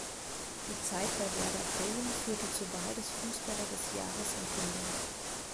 Die Zeit bei Werder Bremen führte zur Wahl des Fußballer des Jahres in Finnland.